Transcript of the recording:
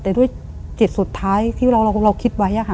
แต่ด้วยจิตสุดท้ายที่เราคิดไว้